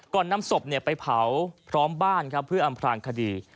นำศพไปเผาพร้อมบ้านครับเพื่ออำพลางคดี